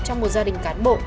trong một gia đình cán bộ